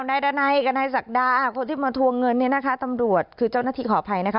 นายดานัยกับนายศักดาคนที่มาทวงเงินเนี่ยนะคะตำรวจคือเจ้าหน้าที่ขออภัยนะคะ